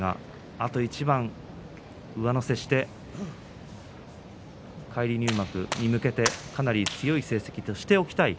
あと一番上乗せをして返り入幕に向けて強い成績としておきたい